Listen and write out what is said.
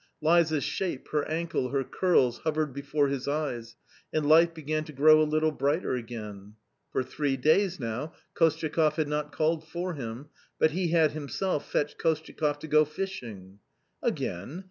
Liza's shape, her ankle, her curls hovered before his eyes, and life began to grow a little brighter again. For three days now Kostyakoff had not called for him, but he had himself fetched Kostyakoff to go fishing. " Again